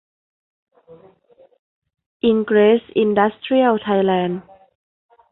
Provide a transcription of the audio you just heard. อิงเกรส อินดัสเตรียล ไทยแลนด์